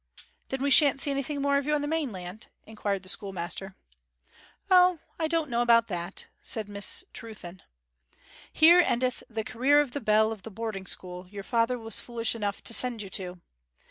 'Then we shan't see anything more of you on the mainland?' inquired the schoolmaster. 'O, I don't know about that,' said Miss Trewthen. 'Here endeth the career of the belle of the boarding school your father was foolish enough to send you to.